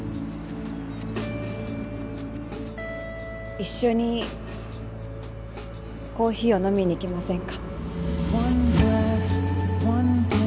一緒にコーヒーを飲みに行きませんか？